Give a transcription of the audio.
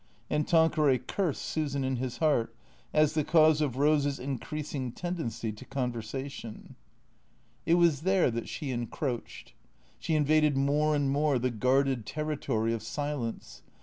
And Tanqueray cursed Susan in his heart, as the cause of Eose's increasing tend ency to conversation. 366 THE CEEA TORS It was there that she encroached. She invaded more and more the guarded territory of silence.